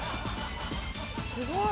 すごい。